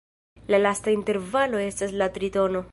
La lasta intervalo estas la tritono.